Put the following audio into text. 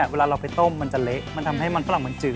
เวลาเราไปต้มมันจะเละมันทำให้มันฝรั่งมันจืด